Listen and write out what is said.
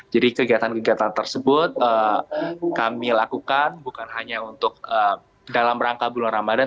jadi kegiatan kegiatan tersebut kami lakukan bukan hanya untuk dalam rangka bulan ramadan